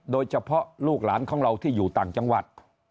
โดยเฉพาะลูกหลานของเราที่อยู่ต่างจังหวัด